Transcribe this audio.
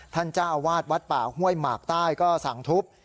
ท่านเจ้าอาวาสวัดป่าห้วยหมากใต้ก็สั่งทุบ